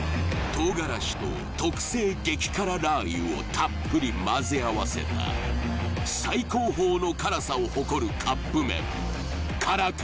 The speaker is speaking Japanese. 唐辛子と特製激辛ラー油をたっぷり混ぜ合わせた最高峰の辛さを誇るカップ麺辛辛